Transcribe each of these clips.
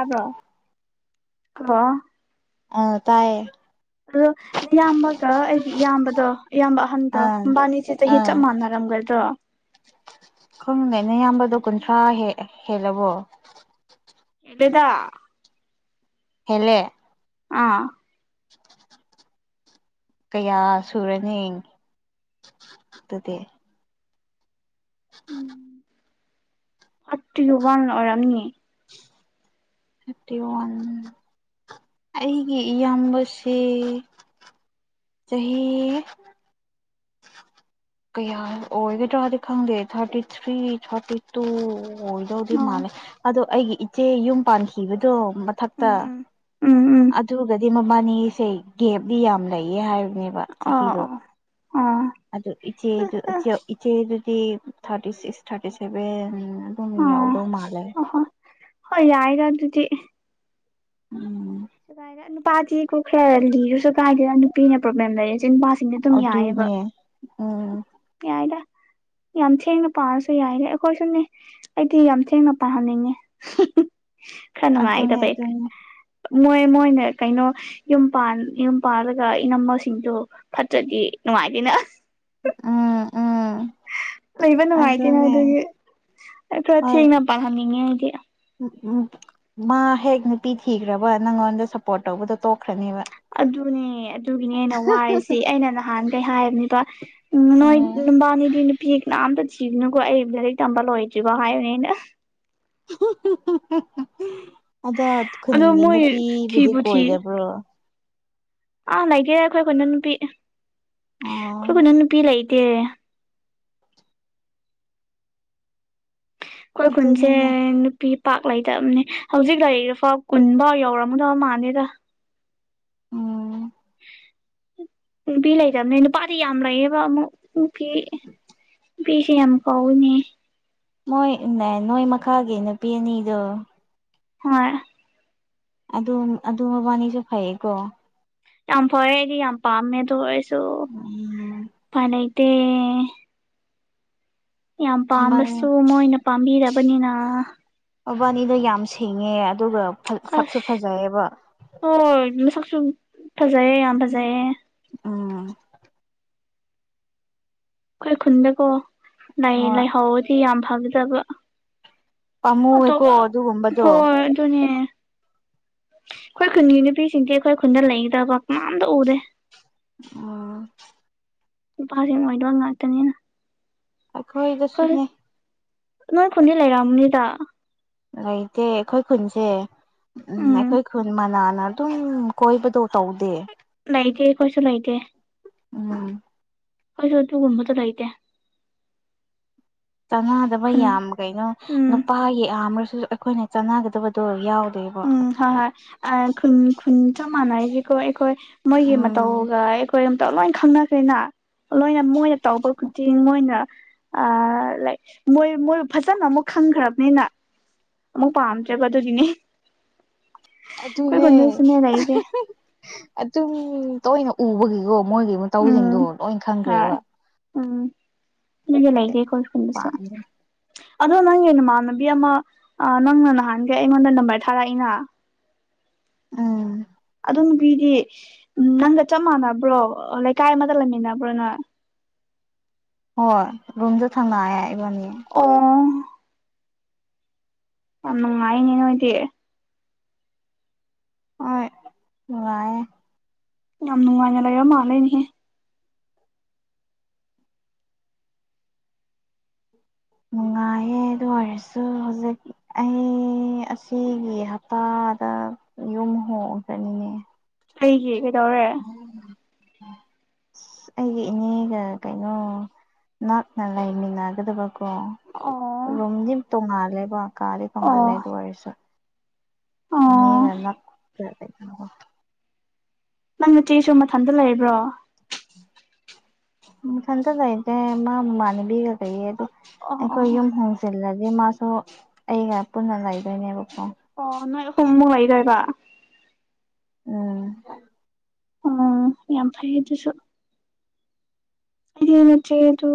ꯑꯕꯣ ꯀꯣ ꯑ ꯇꯥꯏꯌꯦ ꯑꯗꯣ ꯏꯌꯥꯝꯕꯒ ꯑꯩꯒꯤ ꯏꯌꯥꯝꯕꯗꯣ ꯏꯌꯥꯝꯕ ꯑꯍꯟꯗꯣ ꯑꯥ ꯍꯕꯥꯅꯤꯁꯦ ꯆꯍꯤ ꯑꯥ ꯆꯞ ꯃꯥꯟꯅꯔꯦ ꯑꯣꯏꯔꯝꯒꯗ꯭ꯔꯣ ꯈꯪꯗꯩꯅꯌꯥꯝꯕꯗꯣ ꯀꯨꯟꯊ꯭ꯔꯥ ꯍꯦꯜꯂꯕꯣ ꯑꯦꯗ ꯍꯦꯂꯦ ꯑꯥ [unintelligible] ꯀꯌꯥ ꯁꯨꯔꯅꯤ ꯑꯗꯨꯗꯤ ꯎꯝ ꯊꯥꯔꯇꯤ ꯋꯥꯟ ꯑꯣꯢꯔꯝꯅꯤ ꯊꯥꯔꯇꯤ ꯋꯥꯟ ꯑꯩꯒꯤ ꯏꯌꯥꯝꯕꯁꯦ ꯆꯍꯤ [unintelligible] ꯀꯌꯥ ꯑꯣꯏꯒꯗ꯭ꯔꯗꯤ ꯈꯪꯗꯦ ꯊꯥꯔꯇꯤ ꯊ꯭ꯔꯤ ꯊꯥꯔꯇꯤ ꯇꯨ ꯑꯣꯏꯗꯧꯗꯤ ꯑꯣ ꯃꯥꯜꯂꯦ ꯑꯗꯣ ꯑꯩꯒꯤ ꯏꯆꯦ ꯌꯨꯝ ꯄꯥꯟꯈꯤꯕꯗꯣ ꯃꯊꯛꯇ ꯎꯝ ꯎꯝ ꯎꯝ ꯎꯝ ꯑꯗꯨꯒꯗꯤ ꯃꯃꯕꯥꯅꯤꯁꯦ ꯒꯦꯞꯗꯤ ꯌꯥꯝ ꯂꯩꯌꯦ ꯍꯥꯏꯕꯅꯦꯕ ꯑꯣ ꯆꯍꯤꯗꯣ ꯑꯣ ꯑꯣ ꯑꯗꯨ ꯏꯆꯦ ꯏꯆꯦꯗꯨꯗꯤ ꯊꯥꯔꯇꯤ ꯁꯤꯛꯁ ꯊꯥꯔꯇꯤ ꯁꯦꯚꯦꯟ ꯀꯨꯝꯃꯤ ꯌꯥ ꯑꯣ ꯑꯗꯨꯣꯝꯂꯦ ꯑꯣꯍꯣꯏ ꯍꯣꯏ ꯌꯥꯏꯗ ꯑꯗꯨꯗꯤ ꯎꯝ ꯁꯥꯏꯗ ꯅꯨꯄꯥꯗꯤ ꯀꯣ ꯈꯔ ꯂꯤꯔꯁꯨ ꯁꯨꯒꯥꯏꯗꯨꯗ ꯅꯨꯄꯤꯅ ꯄ꯭ꯔꯣꯕ꯭ꯂꯦꯝ ꯂꯩꯔꯦꯁꯦ ꯅꯨꯄꯥꯁꯤ ꯑꯗꯨꯅꯦ ꯎꯝ ꯌꯥꯏꯗ ꯌꯥꯝ ꯊꯦꯡꯅ ꯄꯥꯔꯁꯨ ꯌꯥꯏꯗ ꯑꯩꯈꯣꯏꯁꯨꯅꯦ ꯑꯩꯗꯤ ꯌꯥꯝ ꯊꯦꯡꯅ ꯄꯥꯍꯟꯅꯤꯡꯉꯦ ꯈꯔ ꯑꯗꯨꯅꯦ ꯅꯨꯡꯉꯥꯏꯗꯕꯩ ꯑꯗꯨꯅꯦ ꯃꯣꯏ ꯃꯣꯏꯅ ꯀꯩꯅꯣ ꯌꯨꯝ ꯌꯨꯝ ꯄꯥꯟꯜꯂꯒ ꯏꯅꯝꯝꯕꯁꯤꯡꯗꯨꯣ ꯐꯠꯇ꯭ꯔꯗꯤ ꯅꯨꯡꯉꯥꯏꯇꯦꯅ ꯎꯝ ꯎꯝ ꯂꯩꯕ ꯅꯨꯡꯉꯥꯏꯇꯦꯅꯦ ꯑꯗꯨꯅꯦ ꯑꯗꯨꯒꯤ ꯑꯩ ꯈꯔ ꯊꯦꯡꯅ ꯄꯥꯜꯍꯟꯅꯤꯡꯉꯦ ꯍꯥꯏꯗꯤ ꯎ ꯃꯥ ꯍꯦꯛ ꯅꯨꯄꯤ ꯊꯤꯈ꯭ꯔꯕ ꯅꯪꯉꯣꯟꯗ ꯁꯞꯄꯣꯔꯠ ꯇꯧꯕꯗꯣ ꯇꯣꯛꯈ꯭ꯔꯅꯦꯕ ꯑꯗꯨꯅꯦ ꯑꯗꯨꯒꯤꯅꯦ ꯑꯩꯅ ꯋꯥꯔꯤꯔꯤꯁꯤ ꯑꯩꯅ ꯅꯍꯥꯟꯒꯩ ꯍꯥꯏꯕꯅꯤꯕ ꯎꯝ ꯅꯣꯏꯕꯥꯅꯤꯗꯤꯅ ꯄꯤꯛꯅꯅꯥ ꯑꯝꯇ ꯊꯤꯒꯅꯨꯀꯣ ꯑꯩ ꯂꯥꯏꯔꯤꯛ ꯇꯝꯕ ꯂꯣꯏꯗ꯭ꯔꯤꯔꯤꯕꯣ ꯍꯥꯏꯕꯅꯦ ꯑꯩꯅ ꯑꯗꯣ ꯑꯗꯣ ꯈꯨꯟꯒꯤ ꯃꯣꯏ ꯅꯨꯄꯤꯕꯨꯗꯤ ꯊꯤꯕꯨ ꯊꯤ ꯀꯣꯏꯗꯕ꯭ꯔꯣ ꯑꯥ ꯂꯩꯇꯦ ꯑꯩꯈꯣꯏ ꯈꯨꯣꯏꯅ ꯅꯨꯄꯤ ꯑꯣ ꯑꯩꯈꯣꯏ ꯈꯨꯅ ꯅꯨꯄꯤ ꯂꯩꯇꯦ ꯀꯣꯏ ꯈꯨꯟꯁꯦ ꯑꯗꯨꯅꯤꯅꯦ ꯄꯤ ꯄꯥꯛ ꯂꯩꯇꯕꯅꯦ ꯍꯧꯖꯤꯛ ꯂꯩꯔꯤꯕꯐꯥꯎ ꯀꯨꯟꯐꯥꯎ ꯌꯧꯔꯝꯃꯨꯗꯕ ꯃꯥꯜꯂꯦꯗ ꯎꯝ ꯕꯤ ꯂꯩꯗꯝꯅꯤꯩꯅ ꯄꯔ ꯌꯥꯝ ꯂꯩꯌꯦꯕ ꯑꯃ ꯎꯄꯤ ꯅꯨꯄꯤꯁꯦ ꯌꯥꯝ ꯀꯥꯎꯏꯤꯅꯦ ꯃꯣꯏ ꯅꯣꯏ ꯃꯈꯥꯒꯤ ꯅꯨꯄꯤ ꯑꯅꯤꯗꯣ ꯍꯣꯏ ꯑꯗꯨ ꯑꯗꯨ ꯃꯕꯥꯅꯤꯁꯨ ꯐꯩꯀꯣ ꯌꯥꯝ ꯐꯔꯦ ꯑꯩꯗꯤ ꯌꯥꯝ ꯄꯥꯝꯃꯦꯗꯣ ꯑꯣꯏꯁꯨ ꯎꯝ ꯐꯅꯇꯦ ꯌꯥꯝ ꯃꯕꯥꯅꯤ ꯄꯥꯝꯕꯁꯨ ꯃꯣꯏꯅ ꯄꯥꯝꯕꯤꯔꯕꯅꯤꯅ ꯕꯥꯅꯤꯗꯣ ꯌꯥꯝ ꯁꯦꯡꯉꯦ ꯑꯗꯨꯒ ꯑꯁ ꯁꯛꯁꯨ ꯐꯖꯩꯑꯕ ꯍꯣꯏ ꯃꯁꯛꯁꯨ ꯐꯖꯩꯌꯦ ꯌꯥꯝ ꯐꯖꯩꯌꯦ ꯎꯝ ꯑꯩꯈꯣꯏ ꯈꯨꯟꯗꯀꯣ ꯍꯣꯏ ꯂꯩꯥꯏꯍꯥꯎꯗꯤ ꯌꯥꯝ ꯐꯒꯗꯕ ꯄꯥꯝꯃꯨꯋꯦꯀꯣ ꯑꯣ ꯑꯗꯨꯒꯨꯝꯕꯗꯣ ꯍꯣꯏ ꯑꯗꯨ ꯑꯗꯨꯅꯤ ꯑꯩꯈꯣꯏ ꯈꯨꯟꯒꯤ ꯅꯨꯄꯤꯁꯤꯡꯗꯤ ꯑꯩꯈꯣꯏ ꯈꯨꯟꯗ ꯂꯩꯗꯕ ꯃꯅꯥꯝꯗ ꯎꯔꯦ ꯑꯣ ꯅꯨꯄꯥꯁꯤꯡ ꯑꯣꯏꯗ ꯉꯥꯛꯇꯅꯤꯅ ꯍꯣꯏ ꯈꯣꯏꯗꯁꯨꯅꯦ ꯅꯣꯏ ꯈꯨꯟꯗꯤ ꯂꯩꯔꯑꯕꯅꯤꯗ ꯂꯩꯇꯦ ꯑꯩꯈꯣꯏ ꯈꯨꯟꯁꯦ ꯎꯝ ꯑꯩꯈꯣꯏ ꯈꯨꯟ ꯃꯅꯥꯅ ꯇꯨꯝ ꯀꯣꯏꯕꯗꯣ ꯇꯧꯗꯦ ꯂꯥꯏꯇꯦꯌꯦ ꯀꯣꯏꯁꯨ ꯂꯥꯏꯇꯦ ꯎꯝ ꯍꯣꯏꯁꯨ ꯑꯗꯨ ꯒꯟꯃꯗ ꯂ ꯂꯩꯥꯏꯗꯦ ꯆꯅꯗꯕ ꯈꯨꯟ ꯌꯥꯝ ꯀꯩꯅꯣ ꯎꯝ ꯅꯨꯄꯥꯒꯤ ꯑꯔꯁꯨ ꯑꯩꯈꯣꯏꯅ ꯆꯥꯟꯅꯒꯗꯕꯗꯣ ꯌꯥꯎꯗꯦꯕ ꯎꯝ ꯍꯣꯏ ꯍꯣꯏ ꯈꯨꯟ ꯈꯨꯟ ꯆꯞ ꯃꯥꯟꯅꯔꯤꯁꯤꯀꯣ ꯑꯩꯈꯣꯏ ꯃꯣꯏꯒꯤ ꯎꯝ ꯃꯇꯧꯒ ꯇꯧ ꯂꯣꯏ ꯈꯪꯅꯈꯦꯅ ꯂꯣꯏꯅ ꯃꯣꯏꯅ ꯇꯧꯕ ꯈꯨꯗꯤꯡ ꯃꯣꯏꯅ ꯂꯥꯏꯛ ꯃꯣꯏ ꯃꯣꯏ ꯐꯖꯅ ꯑꯃꯨꯛ ꯈꯪꯈ꯭ꯔꯕꯅꯤꯅ ꯑꯃꯨ ꯄꯥꯝ ꯆꯦꯕ ꯑꯗꯨꯗꯅꯤ ꯑꯗꯨ ꯑꯗꯨꯅꯦ ꯈꯨꯟꯗꯁꯨꯅꯦ ꯂꯩꯇꯦ ꯑꯗꯨꯝ ꯇꯅ ꯎꯕꯒꯤꯀꯣ ꯃꯣꯏꯒꯤ ꯎꯝ ꯃꯇꯧꯁꯤꯡꯗꯣ ꯂꯣꯏꯅ ꯍꯣꯏ ꯈꯪꯈ꯭ꯔꯦꯕ ꯎꯝ ꯏꯒ ꯂꯩꯒꯦ ꯀꯣ ꯐꯕꯁꯣ ꯄꯥꯝꯗ꯭ꯔꯦ ꯑꯗꯣ ꯅꯪꯒꯤ ꯅꯃꯥꯟꯅꯕꯤ ꯑꯃ ꯅꯪꯅ ꯅꯍꯥꯟꯒ ꯑꯩꯉꯣꯟꯗ ꯅꯝꯕꯔ ꯊꯥꯔꯛꯏꯅ ꯎꯝ ꯑꯗꯨ ꯅꯨꯄꯤꯗꯤ ꯅꯪꯒ ꯆꯞ ꯃꯥꯟꯅꯕ꯭ꯔꯣ ꯂꯩꯀꯥꯏ ꯑꯃꯒ ꯂꯩꯃꯤꯟꯅꯕ꯭ꯔꯣꯅ ꯍꯣꯏ ꯔꯨꯝꯗ ꯊꯪꯅꯑꯏꯕꯅꯤ ꯑꯣ ꯌꯥꯝ ꯅꯨꯡꯉꯥꯏꯅꯦ ꯅꯣꯏꯗꯤ ꯍ ꯅꯨꯡꯑꯦ ꯌꯥꯝ ꯅꯨꯡꯉꯥꯏꯅ ꯂꯩꯔ ꯃꯥꯜꯂꯅꯤꯍꯦ ꯅꯨꯡꯉꯥꯏꯌꯦ ꯑꯗꯨ ꯑꯣꯏꯔꯁꯨ ꯍꯧꯖꯤꯛ ꯑꯩ ꯑꯁꯤꯒꯤ ꯍꯞꯇꯥꯗ ꯌꯨꯝ ꯍꯣꯡ ꯆꯅꯤꯡꯉꯦ ꯑꯩꯒꯤ ꯀꯩꯗꯧꯔꯦ ꯑꯁ ꯑꯩꯒ ꯏꯅꯦꯒ ꯀꯩꯅꯣ ꯅꯛꯅ ꯂꯩꯃꯤꯟꯅꯒꯗꯕ ꯀ ꯑꯣ ꯔꯨꯝꯗꯤ ꯇꯣꯡꯉꯥꯜꯂꯦꯕꯣ ꯀꯥꯗꯤ ꯑꯣ ꯇꯣꯡꯉꯥꯜꯂꯦ ꯑꯗꯨ ꯑꯣꯏꯔꯁꯨ ꯃꯤ ꯑꯣ ꯀꯅꯥ ꯀꯗ ꯅꯪꯅ ꯆꯦꯁꯨ ꯃꯊꯟꯇ ꯂꯩꯕ꯭ꯔꯣ ꯊꯟꯗ ꯆꯥꯏꯗꯦ ꯃꯥ ꯃꯥꯅꯤꯕꯤꯒ ꯀꯩ ꯑꯗꯨ ꯑꯣ ꯑꯩꯈꯣꯏ ꯑꯣ ꯌꯨꯝ ꯍꯣꯡꯖꯤꯜꯂꯗꯤ ꯃꯥꯁꯨ ꯑꯩꯒ ꯄꯨꯟꯅ ꯂꯩꯗꯣꯏꯅꯦꯕꯀꯣ ꯑꯣ ꯅꯣꯏ ꯍꯣꯨꯝꯕꯨꯨ ꯂ ꯇꯔꯕ ꯎꯝ ꯑꯣ ꯌꯥꯝ ꯐꯩ ꯑꯗꯨꯁꯨ ꯑꯗꯨ ꯅꯠꯇꯦ ꯑꯗꯨ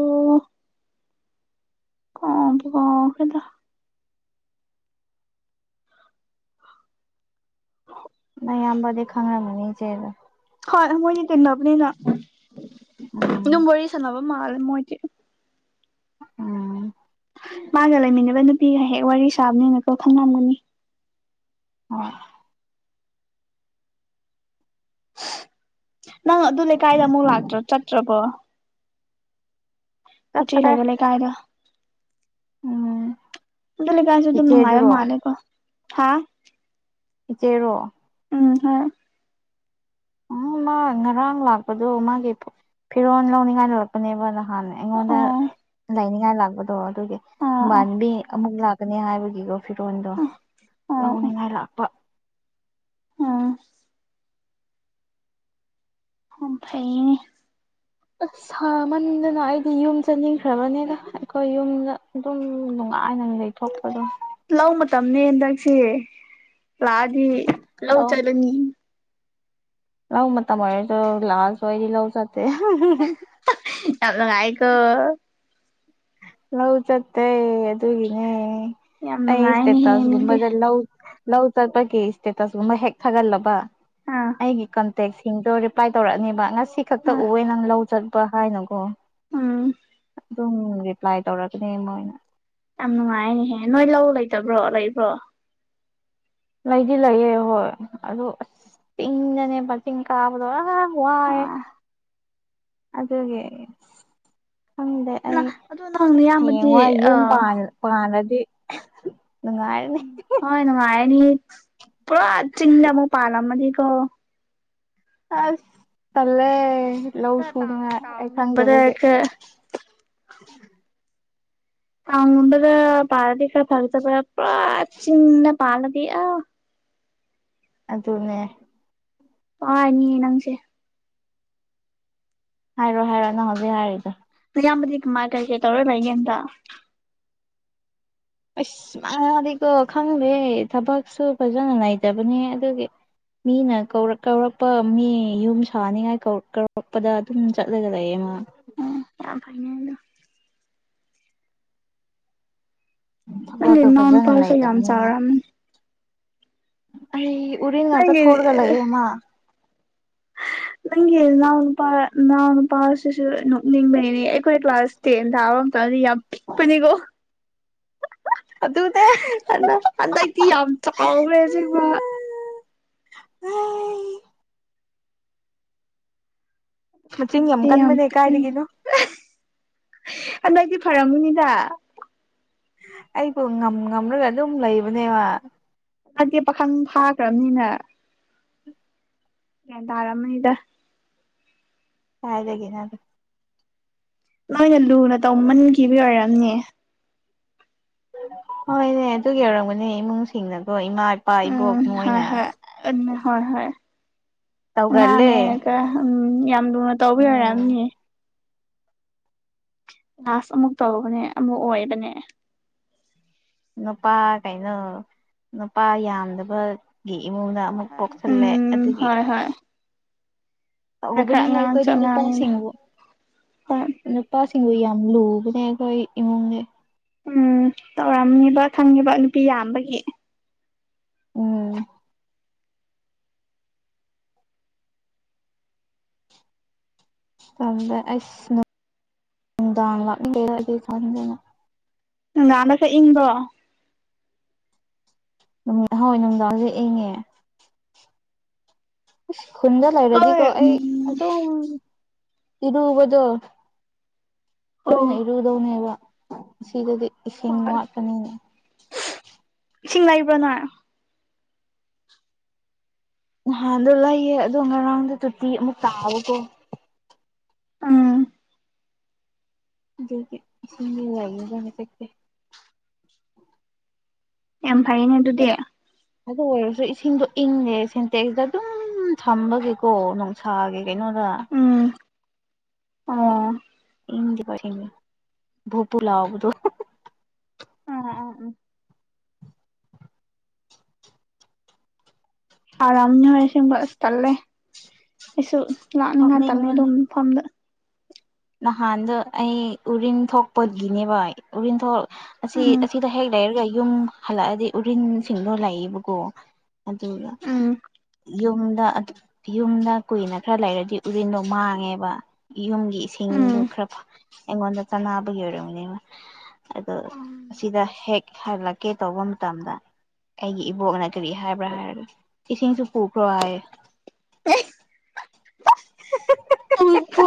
ꯀ ꯀꯣ ꯀꯗ ꯅ ꯑꯝꯕꯗꯤ ꯈꯪꯔꯝꯕꯅꯤꯆꯦꯗ ꯍꯣꯏ ꯃꯣꯏꯗꯤ ꯇꯤꯟꯅꯕꯅꯤꯅ ꯑꯗꯨꯝ ꯎꯝ ꯋꯥꯔꯤ ꯁꯥꯟꯅꯕ ꯃꯥꯜꯂꯦ ꯃꯣꯏꯗꯤ ꯎꯝ ꯃꯥꯒ ꯂꯩꯃꯤꯟꯅꯕ ꯅꯨꯄꯤꯒ ꯍꯦꯛ ꯋꯥꯔꯤ ꯁꯥꯕꯅꯦꯅꯀꯣ ꯈꯪꯂꯝꯒꯅꯤ ꯍꯣꯏ ꯅꯪ ꯑꯗꯨ ꯂꯩꯀꯥꯏꯗ ꯑꯃꯨꯛ ꯂꯥꯛꯇ꯭ꯔ ꯆꯠꯇ꯭ꯔꯕꯣ ꯃꯆꯦ ꯆꯠꯇ꯭ꯔꯦ ꯂꯩꯕ ꯂꯩꯀꯥꯏꯗ ꯎꯝ ꯂ ꯀꯁꯨꯦ ꯇꯨ ꯃꯪꯉꯥꯑꯣ ꯏꯆꯦꯗꯨꯔꯣ ꯃꯥꯂꯦꯀꯣ ꯍꯥ ꯏꯆꯦꯔꯣ ꯎꯝ ꯍ ꯎ ꯃꯥ ꯉꯔꯥꯡ ꯂꯥꯛꯄꯗꯨꯣ ꯃꯥꯒꯤ ꯐꯤꯔꯣꯜ ꯂꯧꯅꯤꯡꯉꯥꯏꯗꯨ ꯂꯄꯅꯦꯕ ꯅꯍꯥꯟ ꯑꯩꯉꯣꯟꯗ ꯑꯣ ꯂꯥꯏꯅꯤꯡꯉꯥꯏ ꯂꯥꯛꯄꯗꯣ ꯑꯣ ꯑꯣ ꯑꯗꯨꯒꯤꯕꯥꯥꯟꯕꯤ ꯑꯃꯨꯛ ꯂ ꯀꯅꯤ ꯍꯥꯏꯕꯒꯤꯒꯣ ꯐꯤꯔꯣꯟꯜꯗꯣ ꯑꯣ ꯑꯣ ꯂꯧꯅꯤꯡꯉꯥꯏ ꯂꯥꯛꯄ ꯎꯝ ꯑꯝꯐꯩ ꯑꯁ ꯁꯥꯃꯟꯗꯅ ꯑꯩꯗꯤ ꯌꯨꯝ ꯆꯠꯅꯤꯡꯈ꯭ꯔꯕꯅꯤꯗ ꯑꯩꯈꯣꯏ ꯌꯨꯝꯗ ꯑꯗꯨꯝ ꯅꯨꯡꯉꯥꯏꯅ ꯂꯩꯊꯣꯛꯄꯗꯣ ꯂꯧ ꯃꯇꯝꯅꯤꯅꯦ ꯍꯟꯗꯛꯁꯦ ꯂꯥꯛꯑꯗꯤ ꯂꯧ ꯆꯠꯂꯅꯤ ꯂꯥꯎ ꯃ ꯇꯔꯁꯨ ꯂꯥꯥꯁ ꯋꯥꯏꯗꯤ ꯂꯥꯎ ꯆ [unintelligible] ꯂꯧ ꯆꯠꯇꯦ ꯑꯗꯨꯒꯤꯅꯦ ꯌꯥꯝ ꯑꯩ ꯏꯁꯦ ꯅꯨꯡꯉꯥꯏꯅꯦꯍꯦ ꯃꯤꯗꯤ ꯇꯥꯁꯒꯨꯝꯕꯗ ꯂ ꯂꯧ ꯆꯠꯄꯒꯤ ꯏꯁꯇꯦꯇꯁꯒꯨꯝꯕ ꯍꯦꯛ ꯊꯥꯒꯠꯂꯕ ꯑꯥ ꯑꯩꯒꯤ ꯀ ꯇꯦꯛꯁꯤꯡꯗꯣ ꯔꯤꯄ꯭ꯂꯥꯏ ꯇꯧꯔꯛꯑꯅꯦꯕ ꯉꯁꯤ ꯈꯛꯇ ꯑꯥ ꯎꯋꯦ ꯅꯪ ꯂꯧ ꯆꯠꯄ ꯍꯥꯏꯅꯀꯣ ꯎꯝ ꯑꯗꯨꯝ ꯔꯤꯄ꯭ꯂꯥꯏ ꯇꯧꯔꯛꯒꯅꯦ ꯃꯣꯏꯅ ꯌꯥꯝ ꯅꯨꯡꯉꯥꯏꯅꯦꯍꯦ ꯅꯣꯏ ꯂꯧ ꯂꯩꯇꯕ꯭ꯔꯣ ꯂꯩꯕ꯭ꯔꯣ ꯂꯩꯗꯤ ꯂꯩꯌꯦ ꯍꯣꯏ ꯑꯗꯨ ꯑꯁ ꯆꯤꯡꯗꯅꯦ ꯃꯆꯤꯡ ꯀꯥꯕꯗꯣ ꯑ ꯋꯥꯌꯦ ꯑꯥ ꯑꯗꯨꯒꯤ ꯈꯪꯗꯦ ꯑꯩ ꯅꯪ ꯑꯗꯨ ꯅꯪ ꯍꯌꯦꯡ ꯅꯌꯥꯝꯕꯗꯤ ꯋꯥꯏ ꯌꯨꯝ ꯑꯥ ꯄꯥꯜ ꯄꯥꯅꯗꯤ ꯉꯥꯔꯅꯤ ꯍꯅꯅꯨꯡꯉꯥꯏꯅꯤ ꯄꯨꯔꯥ ꯆꯤꯡꯗ ꯑꯃ ꯄꯥ ꯂꯝ ꯃꯥꯗꯤꯀꯣ ꯑꯁ ꯆꯜꯂꯦ ꯂꯧ ꯈꯔ ꯁꯨꯗꯅ ꯇꯥꯎꯟ ꯑꯩ ꯇꯥꯎꯟꯒꯨꯝꯕꯗ ꯈꯪꯗꯕꯒꯤ ꯈꯔ ꯑ ꯎꯗꯗ ꯄꯔꯗꯤ ꯈꯔ ꯐꯔꯗꯕ꯭ꯔ ꯄ꯭ꯔꯥ ꯆꯤꯅ ꯄꯥꯔꯗꯤꯌꯥ ꯑꯗꯨꯅꯦ ꯑꯅꯤꯌꯦ ꯅꯪꯁꯦ ꯍꯥꯏꯔꯣ ꯍꯥꯏꯔꯣ ꯅꯪ ꯍꯧꯖꯤꯛ ꯍꯥꯏꯔꯤꯗꯣ ꯃꯌꯥꯝꯕꯗꯤ ꯀꯃꯥꯏ ꯀꯁꯦ ꯇꯧꯔ ꯂꯩꯒꯗ ꯑꯁ ꯃꯥꯗꯤꯀꯣ ꯈꯪꯗꯦ ꯊꯕꯛꯁꯨ ꯐꯖꯅ ꯂꯩꯗꯕꯅꯦ ꯑꯗꯨꯒꯤ ꯃꯤꯅ ꯀꯧꯔꯛ ꯀꯧꯔꯛꯄ ꯃꯤ ꯌꯨꯝ ꯁꯥꯅꯤꯉꯥꯏ ꯀꯧꯔꯛꯄꯗ ꯑꯗꯨꯝ ꯆꯠꯂꯒ ꯂꯩꯌꯦꯃ ꯎꯝ ꯌꯥꯝ ꯐꯩꯅꯦ ꯑꯗꫭ ꯑ ꯊꯕꯛꯇꯣ ꯅꯝ ꯐꯖꯅ ꯄꯔꯁꯨ ꯌꯥꯝ ꯂꯩꯇꯕꯅꯤꯅ ꯆꯥꯔꯔ ꯑꯩ ꯎꯔꯤꯟ ꯉꯥꯛꯒ ꯅꯪꯒꯤ ꯊꯣꯔꯒ ꯂꯩꯌꯦꯃꯥ ꯅꯪꯒꯤ ꯏꯅꯥꯎꯅꯄꯥ ꯏꯅꯥꯎ ꯅꯨꯄꯥꯁꯤꯁꯨ ꯅꯣꯛꯅꯤꯡꯕꯩꯅꯦ ꯑꯩꯈꯣꯏ ꯀ꯭ꯂꯥꯁ ꯇꯦꯟ ꯊꯥꯕ ꯃꯇꯝꯗꯗꯤ ꯌꯥꯝ ꯄꯤꯛꯄꯅꯤꯒꯣ ꯑꯗꯨꯗꯦ ꯍꯟꯗ ꯍꯟꯗꯛꯇꯤ ꯌꯥꯝ ꯆꯥꯎꯈ꯭ꯔꯦ ꯁꯤꯕ ꯃꯆꯤꯟ ꯑꯗꯨꯗꯤ ꯌꯥꯝ ꯀꯟꯕꯅꯦ ꯄꯤ ꯀꯥꯏꯗꯒꯤꯅꯣ ꯑꯗꯨ ꯑꯩꯗꯤ ꯐꯔꯝꯃꯨꯅꯤꯗ ꯑꯩꯕꯨ ꯉꯝ ꯉꯝꯂꯒ ꯑꯗꯨꯝ ꯂꯩꯕꯅꯦꯕ ꯑꯗꯨꯗꯤ ꯄꯥꯈꯪ ꯐꯥꯈ꯭ꯔꯕꯅꯤꯅ ꯒ꯭ꯌꯥꯟ ꯇꯥꯔꯥ ꯃꯅꯤꯗ ꯍꯥꯏꯗꯒꯤ ꯅꯣ ꯅꯣꯏꯅ ꯂꯨꯅ ꯇꯧꯃꯟꯈꯤꯕ ꯑꯣꯏꯔꯝꯅꯦ ꯍꯣꯏꯅꯦ ꯑꯗꯨ ꯌꯧꯔꯝꯒꯅꯦ ꯏꯃꯨꯡꯁꯤꯡꯅꯗꯣ ꯏꯃꯥ ꯏꯄꯥ ꯏ ꯎ ꯍ ꯍꯣꯏ ꯍꯣꯏ ꯍꯣꯏ ꯑ ꯇꯧꯒꯜꯂꯦ ꯑꯦꯀ ꯎꯝ ꯌꯥꯝ ꯂꯨꯅ ꯎꯝ ꯇꯧꯕꯤꯔꯔꯛꯑꯝꯅꯦ ꯀ꯭ꯂꯥꯁ ꯑꯃꯨꯛ ꯇꯧꯕꯅꯦ ꯑꯃꯨꯛ ꯑꯣꯏꯗꯅꯦ ꯅꯨꯄꯥ ꯀꯩꯅꯣ ꯅꯨꯄꯥ ꯌꯥꯝꯗꯕ ꯒꯤ ꯏꯃꯨꯡꯗ ꯍꯣꯏ ꯑꯃꯨꯛ ꯍꯣꯏ ꯄꯣꯛꯁꯜꯂꯦ ꯎꯝ ꯑꯗꯨꯒꯤ ꯍꯣꯏ ꯍꯣꯏ ꯑꯗ ꯈꯔ ꯑꯣꯕꯨꯅꯤ ꯍꯦ ꯑꯉꯥꯡꯁꯨ ꯀꯗꯤ ꯅꯄꯥꯥꯏ ꯑꯉꯥꯡꯅꯤꯅ ꯁꯤꯉꯕ ꯍꯣꯏ ꯅꯨꯄꯥꯁꯤꯡꯕꯨ ꯌꯥꯝ ꯂꯨꯕꯅꯦ ꯑꯩꯈꯣꯏ ꯏꯃꯨꯡꯒꯤ ꯎꯝ ꯇꯧꯔꯝꯃꯦꯕ ꯈꯪꯉꯦꯕ ꯅꯨꯄꯤ ꯌꯥꯝꯕꯒꯤ ꯎꯝ ꯃꯇꯝꯗ ꯑꯁ ꯅꯨꯡꯗꯥꯡ ꯂꯥꯛꯅꯤꯡꯕꯩꯗꯗꯤ ꯆꯟꯗꯅ ꯉꯥꯟꯅ ꯁꯦ ꯏꯪꯕꯣ ꯍꯣꯏ ꯅꯨꯡꯗꯥꯡꯁꯦ ꯏꯡꯉꯦ ꯑꯁ ꯈꯨꯟꯗ ꯍꯣꯏ ꯂꯩꯔꯗꯤꯀꯣ ꯑꯩ ꯎꯝ ꯑꯗꯨꯝ ꯏꯔꯨꯕꯗꯣ ꯑꯣ ꯇꯣꯏꯅ ꯍꯣꯏ ꯏꯔꯨꯗꯧꯅꯦꯕ ꯁꯤꯗꯗꯤ ꯏꯁꯤꯡ ꯋꯥꯠꯀꯅꯤꯅꯦ ꯁꯤꯡ ꯂꯩꯥꯏꯕ꯭ꯔꯣꯅ ꯅꯍꯥꯟꯗꯣ ꯂꯩꯌꯦ ꯑꯗꯣ ꯉꯔꯥꯡꯗ ꯇꯨꯇꯤ ꯑꯃꯨꯛ ꯇꯥꯕꯀꯣ ꯎꯝ ꯂꯅꯤꯦ ꯌꯥꯝ ꯐꯩꯌꯦꯅꯦ ꯑꯗꯨꯗꯤ ꯑꯗꯨ ꯑꯣꯏꯔꯁꯨ ꯏꯁꯤꯡꯗꯣ ꯏꯪꯉꯦ ꯁꯦꯟꯇꯦꯛꯁꯤꯗ ꯑꯗꯨꯝ ꯎ ꯊꯝꯕꯒꯤꯦꯀꯣ ꯅꯨꯡꯁꯥꯒꯤ ꯀꯩꯅꯣꯗ ꯎꯝ ꯑꯣ ꯍꯗꯤ ꯄꯔꯅꯤ ꯚꯄꯨꯂꯕ꯭ꯔ ꯑ ꯑ ꯎꯝ ꯍꯥꯔꯝꯅꯤ ꯍꯣꯏ ꯁꯤꯁꯤꯡꯕ ꯑꯁ ꯇꯜꯂꯦ ꯑꯩꯁꯨ ꯂꯥꯛꯅꯤꯡꯉꯥꯏ ꯇꯜꯂ ꯑꯗꯨꯝ ꯃꯐꯝꯗ ꯅꯍꯥꯟꯗ ꯑꯩ ꯎꯔꯤꯟ ꯊꯣꯛꯄꯒꯤꯅꯦꯚꯥꯏ ꯎꯔꯤꯟ ꯊꯣꯛ ꯑꯁꯤ ꯎꯝ ꯑꯁꯤꯗ ꯍꯦꯛ ꯂꯩꯔꯒ ꯌꯨꯝ ꯍꯜꯂꯛꯑꯗꯤ ꯎꯔꯤꯟꯁꯤꯡꯗꯣ ꯂꯥꯛꯏꯕꯀꯣ ꯑꯗꯨꯒ ꯎꯝ ꯌꯨꯝꯗ ꯌꯨꯝꯗ ꯀꯨꯏꯅ ꯈꯔ ꯂꯩꯔꯗꯤ ꯎꯔꯤꯟꯗꯣ ꯃꯥꯡꯉꯦꯕ ꯌꯨꯝꯒꯤ ꯏꯁꯤꯡꯗꯣ ꯎꯝ ꯈꯔ ꯑꯦꯡꯣꯗ ꯆꯅꯥꯕꯨꯨꯏꯔ ꯍꯅꯦꯃ ꯑꯣ ꯑꯁꯤꯗ ꯍꯦꯛ ꯍꯂꯛꯀꯦ ꯇꯧꯕ ꯃꯇꯝꯗ ꯑꯩꯒꯤ ꯏꯕꯣꯛꯅ ꯀꯔꯤ ꯍꯥꯏꯕ꯭ꯔꯥ ꯍꯥꯏꯔꯒ ꯏꯁꯤꯡꯁꯨ ꯄꯨꯈ꯭ꯔꯣ ꯍꯥꯏꯌꯦ ꯎ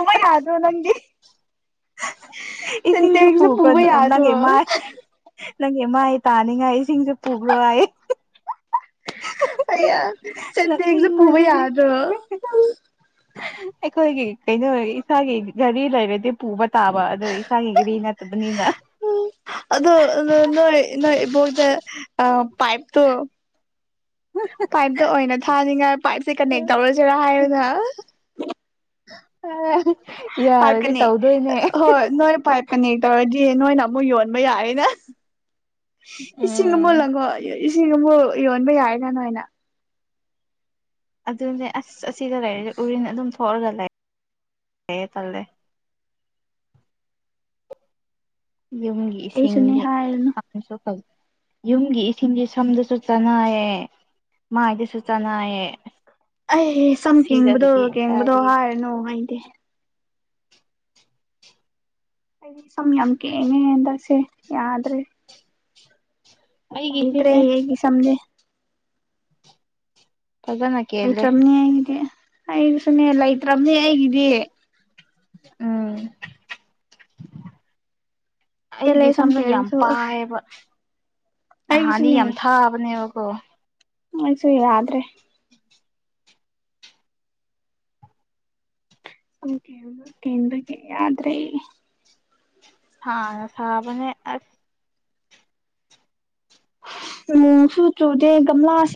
ꯣꯏ ꯌꯥꯗ꯭ꯔꯣ ꯅꯪꯗꯤ ꯏꯁꯤꯡꯁꯨ ꯁꯦꯟꯇꯦꯛꯁꯨ ꯄꯨꯕ꯭ꯔ ꯄꯨꯕ ꯌꯥꯗ꯭ꯔꯣ ꯅꯪꯦ ꯃꯥꯥꯏ ꯅꯪꯒꯤꯃꯥꯏ ꯇꯥꯅꯤꯉꯥꯏ ꯏꯁꯤꯡꯁꯦ ꯄꯨꯈ꯭ꯔꯣ ꯑꯩ ꯑ ꯁꯇꯁ ꯄꯨꯕ ꯅꯣꯛꯅꯤꯡꯕꯁꯤꯗꯤ ꯌꯥꯗꯣ ꯑꯩꯈꯣꯏꯒꯤ ꯀꯩꯅꯣ ꯏꯁꯥꯒꯤ ꯘꯔꯤ ꯂꯩꯔꯗꯤ ꯄꯨꯕ ꯇꯥꯕ ꯑꯗꯣ ꯏꯁꯥꯒꯤ ꯒꯥꯔꯤ ꯅꯠꯇꯦ ꯕꯅꯤꯅ ꯑꯗꯣ ꯅꯣꯏ ꯅꯣꯏ ꯏꯕꯣꯛꯗ ꯑ ꯄꯥꯏꯞꯇꯣ ꯎꯝ ꯄꯥꯏꯞꯇ ꯑꯣꯏꯅ ꯊꯥꯅꯤꯡꯉꯥꯏ ꯄꯥꯏꯞꯁꯦ ꯀꯅꯦꯛ ꯇꯧꯔꯁꯤꯔꯥ ꯍꯥꯏꯔꯅ ꯑ ꯄꯥꯛꯀꯅꯦ ꯍꯣꯏ ꯅꯣꯏ ꯄꯥꯏ ꯀꯅꯦꯛ ꯇꯧꯔꯗꯤ ꯅꯣꯏꯅ ꯑꯃꯨꯛ ꯌꯣꯟꯕ ꯌꯥꯔꯦꯅ ꯏꯁꯤꯡ ꯎꯝ ꯑꯃꯨꯨ ꯂꯪꯉꯣ ꯏꯁꯤꯡꯒꯨꯝꯨ ꯌꯣꯟꯕ ꯌꯥꯏ ꯀꯅꯣ ꯍꯥꯏꯅ ꯑꯗꯨꯅꯦ ꯑꯁ ꯑꯁꯤꯗ ꯂꯩꯔꯁꯦ ꯎꯔꯤꯅ ꯑꯗꯨꯝ ꯊꯣꯛꯑꯒ ꯂꯩ ꯂꯩꯌꯦ ꯇꯜꯂꯦ ꯌꯨꯝꯒꯤ ꯑꯩꯁꯨꯅꯦ ꯏꯁꯤꯡꯗꯤꯦ ꯍꯥꯏꯔꯅꯨ ꯌꯨꯝꯒꯤ ꯏꯁꯤꯡꯁ ꯁꯝꯗꯁꯨ ꯆꯅꯩꯌꯦ ꯃꯥꯥꯏꯗꯤ ꯁꯨꯆꯅꯥꯑꯌꯦ ꯑꯩ ꯁꯝ ꯀꯡꯕꯗꯣ ꯀꯦꯡꯕꯗꯣ ꯀꯥꯏꯗꯒꯤ ꯍꯥꯏꯔꯅꯨ ꯑꯩꯗꯤ ꯑꯩꯗꯤ ꯁꯝ ꯌꯥꯝ ꯀꯦꯡꯉꯦ ꯍꯗꯁꯦ ꯌꯥꯗ꯭ꯔꯦ ꯑꯩꯗ꯭ꯔꯦ ꯑꯩꯒꯤꯁꯤꯅꯦ ꯍꯦꯒꯤ ꯁꯝꯗꯦ ꯇꯖꯥꯅꯦ ꯂꯩꯇ꯭ꯔꯕꯅꯦ ꯑꯩꯒꯤꯗꯤ ꯑꯩꯒꯤꯁꯨꯅꯦ ꯂꯩꯇ꯭ꯔꯕꯅꯦ ꯑꯩꯒꯤꯗꯤ [unintelligible] ꯄꯦꯜꯂꯦ ꯑꯩꯒꯤ ꯁꯝ ꯁꯝꯅ ꯌꯥꯝ ꯀꯦꯕꯁꯨ ꯑꯁ ꯄꯥꯏꯌꯦꯕ ꯅꯍꯥꯟꯗꯤ ꯑꯩꯒꯤꯁꯨꯅꯦ ꯌꯥꯝ ꯊꯥꯕꯅꯦꯕꯀꯣ ꯎꯁꯨꯨꯔꯥ꯭ꯔꯦ ꯎ ꯀꯦ ꯀꯦꯟꯦꯟꯗꯒꯤ ꯌꯥ꯭ꯔꯦ ꯍꯥ ꯁꯥꯕꯅꯦ ꯃꯨ ꯁꯨ ꯆꯨ ꯀꯃꯂ